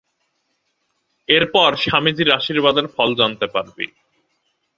এর পর স্বামীজীর আশীর্বাদের ফল জানতে পারবি।